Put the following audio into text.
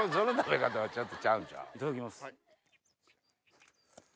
いただきます。